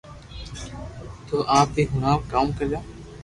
تو آپ ھي ھڻاو ڪاو ڪرو